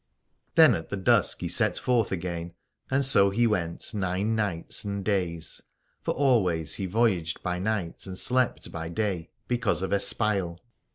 Then at the dusk he set forth again, and so he went nine nights and days : for always he voyaged by night and slept by day, because of espial.